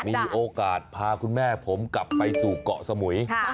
มีโอกาสพาคุณแม่ผมกลับไปสู่เกาะสมุย